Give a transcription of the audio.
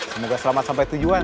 semoga selamat sampai tujuan